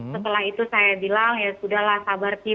setelah itu saya bilang ya sudahlah sabar sih